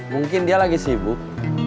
mungkin dia lagi sibuk